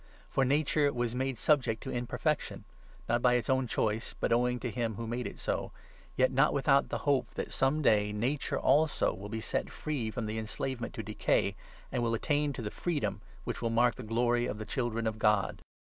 For 20 Nature was made subject to imperfection — not by its own choice, but owing to him who made it so — yet not without 21 the hope that some day Nature, also, will be set free from enslavement to decay, and will attain to the freedom which will mark the Glory of the Children of God.